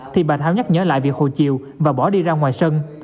thì bà thao nhắc nhớ lại việc hồi chiều và bỏ đi ra ngoài sân